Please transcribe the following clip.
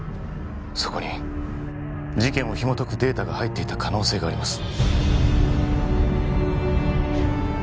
そこに事件をひもとくデータが入っていた可能性があります